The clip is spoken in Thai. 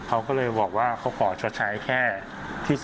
เขาก็เลยบอกว่าเขาขอชดใช้แค่ที่๒